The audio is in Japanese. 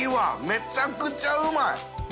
めちゃくちゃうまい。